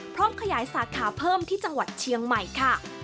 พร้อมขยายสาขาเพิ่มที่จังหวัดเชียงใหม่ค่ะ